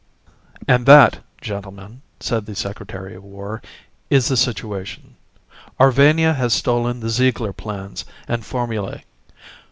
_] "And that, gentlemen," said the Secretary of War, "is the situation. Arvania has stolen the Ziegler plans and formulae.